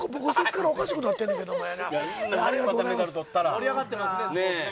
盛り上がってます。